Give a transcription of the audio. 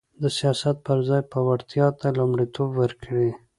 د سیاست پر ځای به وړتیا ته لومړیتوب ورکړي